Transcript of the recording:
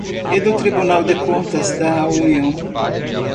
e do Tribunal de Contas da União;